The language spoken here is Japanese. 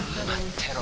てろ